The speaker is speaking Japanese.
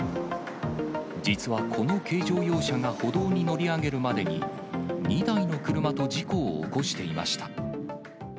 実はこの軽乗用車が歩道に乗り上げるまでに、２台の車と事故を起こしていました。